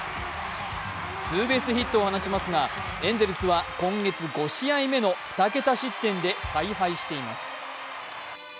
ツーベースヒットを放ちますがエンゼルスは今月５試合目の２桁失点で大敗しています。